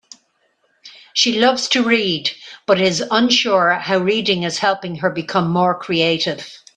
She loves to read, but is unsure how reading is helping her become more creative.